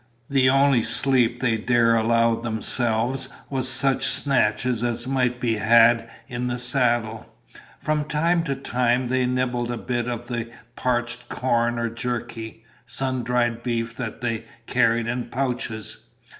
The only sleep they dared allow themselves was such snatches as might be had in the saddle. From time to time they nibbled a bit of the parched corn or jerky, sun dried beef that they carried in pouches.